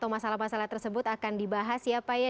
masalah masalah tersebut akan dibahas ya pak ya